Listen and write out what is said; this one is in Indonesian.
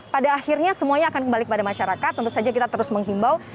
pada akhirnya semuanya akan kembali kepada masyarakat tentu saja kita terus menghimbau